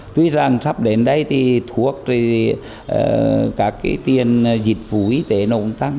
tuy rằng sắp đến đây thì thuốc các tiền dịch vụ y tế nó cũng tăng